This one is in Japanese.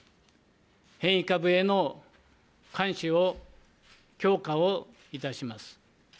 変異株への監視を強化をいたします。